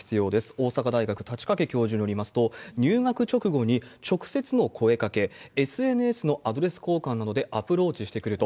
大阪大学、太刀掛教授によりますと、入学直後に直接の声かけ、ＳＮＳのアドレス交換などでアプローチしてくると。